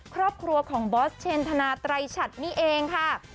ครอบครัวของบอสเชนธนาไตรฉัดนี่เองค่ะ